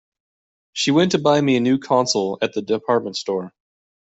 She went to buy me a new console at the department store.